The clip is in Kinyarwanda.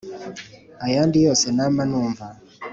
ayandi yose nama numva